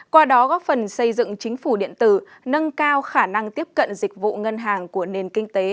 qua đó góp phần xây dựng chính phủ điện tử nâng cao khả năng tiếp cận dịch vụ ngân hàng của nền kinh tế